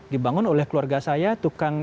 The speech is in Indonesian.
dibangun oleh keluarga saya tukang